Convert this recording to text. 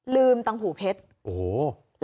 ลืมตังหูเพชร